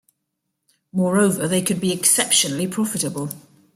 Moreover, they could be exceptionally profitable.